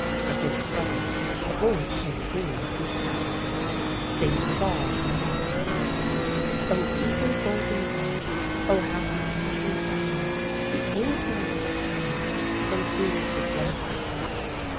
As they struggled, a voice came ringing through the passages, singing a bar from an opera —" Oh eager golden day, Oh happy evening hour! Behold my lover cometh from fields of wrath and hate!